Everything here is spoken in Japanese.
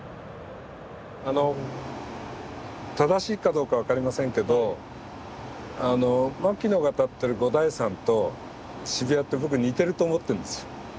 あの正しいかどうかは分かりませんけど牧野が立ってる五台山と渋谷って僕似てると思ってるんですよ。